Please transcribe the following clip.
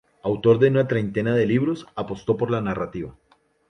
Autor de una treintena de libros, apostó por la narrativa.